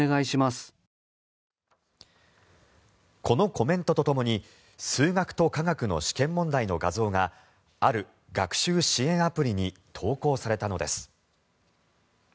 このコメントとともに数学と化学の試験問題の画像がある学習支援アプリに投稿されたのです。